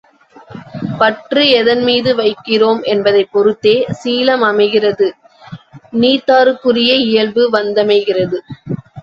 பற்று எதன்மீது வைக்கிறோம் என்பதைப் பொருத்தே சீலம் அமைகிறது நீத்தாருக்குரிய இயல்பு வந்தமைகிறது.